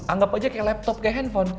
anggap saja seperti laptop seperti handphone